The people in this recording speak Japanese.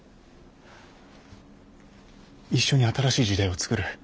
一緒に新しい時代をつくる。